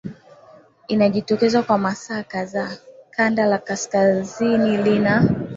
inajitokeza kwa masaa kadhaa Kanda la kaskazini lina